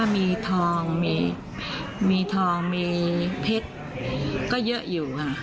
มีทองมีเพชรก็เยอะอยู่ค่ะ